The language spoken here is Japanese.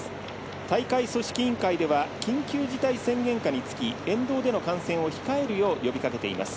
大会組織委員会では緊急事態宣言下につき沿道での観戦を控えるよう呼びかけています。